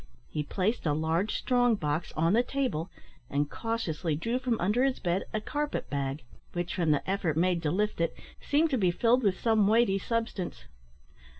He placed a large strong box on the table, and cautiously drew from under his bed a carpet bag, which, from the effort made to lift it, seemed to be filled with some weighty substance.